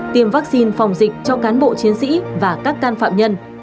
tiêm vaccine phòng dịch cho cán bộ chiến sĩ và các can phạm nhân